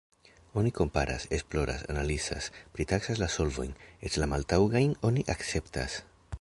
Oni komparas, esploras, analizas, pritaksas la solvojn, eĉ la maltaŭgajn oni akceptas.